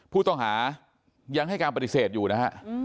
ผู้ต้องหายังให้การปฏิเสธอยู่นะฮะ